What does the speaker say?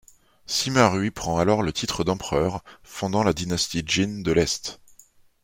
Sima Rui prend alors le titre d'empereur, fondant la dynastie Jin de l'Est.